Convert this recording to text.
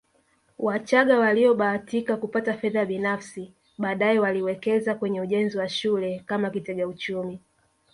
Wachagga waliobahatika kupata fedha binafsi baadaye waliwekeza kwenye ujenzi wa shule kama kitega uchumi